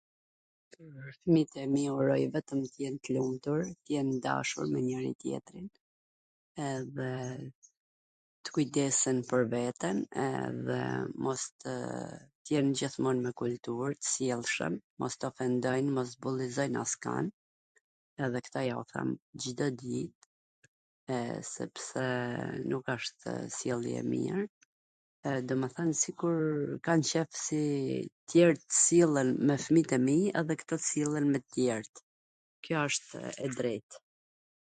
Fmijt e mi uroj vetwm t jen t lumtur, t jen t dashur me njwri tjetrin edhe t kujdesen pwr veten, edhe mos tw... t jen gjithmon me kultur, t sjellshwm, mos tw ofendojn, mos bullizojn askwn, edhe kto ja u them Cdo dit, e sepse nuk ashtw sjellje e mir, e domethwn kam qejf si tw tjerwt sillen me fmijt e mi, edhe fmijt e mi tw sillen me tw tjerwt, kjo wsht e drejt.